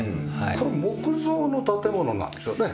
これは木造の建物なんですよね？